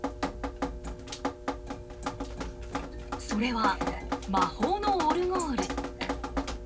それは魔法のオルゴール。